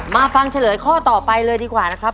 ฟังเฉลยข้อต่อไปเลยดีกว่านะครับ